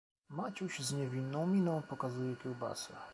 "Maciuś z niewinną mina, pokazuje kiełbasę."